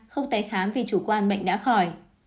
ba không tái khám vì chủ quan bệnh đã khỏi